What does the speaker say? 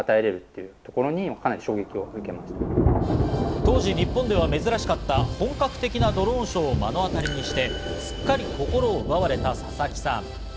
当時、日本では珍しかった本格的なドローンショーを目の当たりにして、すっかり心を奪われた佐々木さん。